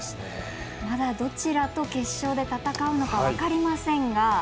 どちらと決勝で戦うか分かりませんが。